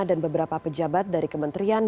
dan beberapa pejabat dari kementerian